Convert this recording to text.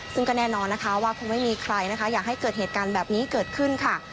ซึ่งก็แน่นอนนะคะว่าคงไม่มีใครนะคะอยากให้เกิดเหตุการณ์แบบนี้เกิดขึ้นค่ะ